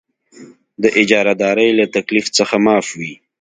د اجاره دارۍ له تکلیف څخه معاف وي.